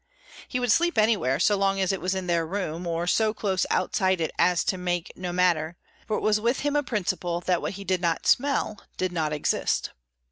He would sleep anywhere, so long as it was in their room, or so close outside it as to make no matter, for it was with him a principle that what he did not smell did not exist.